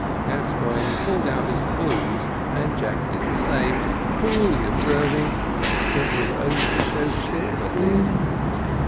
Gascoigne pulled out his doubloons and Jack did the same, coolly observing: "I thought we were only to show silver, Ned!"